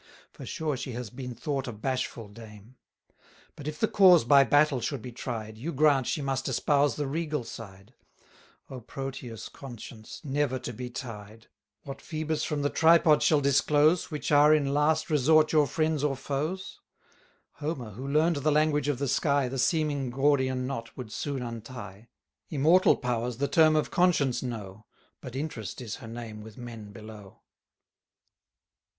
For sure she has been thought a bashful dame. But if the cause by battle should be tried, You grant she must espouse the regal side: O Proteous Conscience, never to be tied! What Phoebus from the Tripod shall disclose, Which are, in last resort, your friends or foes? 820 Homer, who learn'd the language of the sky, The seeming Gordian knot would soon untie; Immortal powers the term of Conscience know, But Interest is her name with men below.